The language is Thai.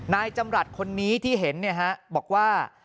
นายจำรัฐคนนี้ที่เห็นบอกว่า